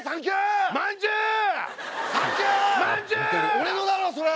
俺のだろそれ！